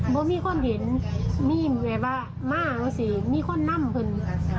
บอกว่ามีคนเห็นมีแบบว่ามากสิมีคนนำเพิ่ง